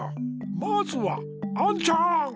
まずはアンちゃん！